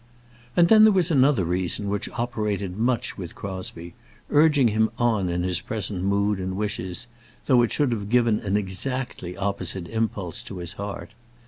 And there was another reason which operated much with Crosbie, urging him on in his present mood and wishes, though it should have given an exactly opposite impulse to his heart.